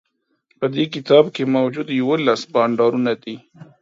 په دې کتاب کی موجود یوولس بانډارونه دي